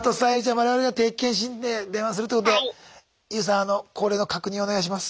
我々が定期検診で電話するということでＹＯＵさんあの恒例の確認お願いします。